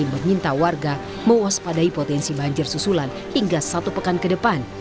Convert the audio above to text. meminta warga mewaspadai potensi banjir susulan hingga satu pekan ke depan